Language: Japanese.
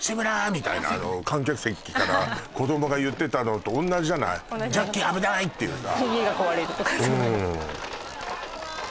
みたいな観客席から子どもが言ってたのと同じじゃない「ジャッキー危ない！」っていうさ